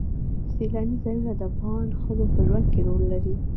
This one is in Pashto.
سیلانی ځایونه د افغان ښځو په ژوند کې رول لري.